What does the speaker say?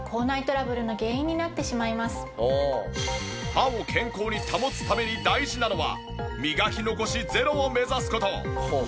歯を健康に保つために大事なのは磨き残しゼロを目指す事。